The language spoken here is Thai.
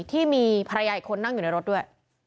ที่มีภรรยาอีกคนนั่งอยู่ในรถด้วย